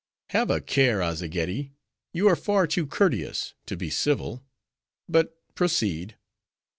"Have a care, Azzageddi; you are far too courteous, to be civil. But proceed."